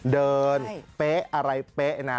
เป๊ะอะไรเป๊ะนะ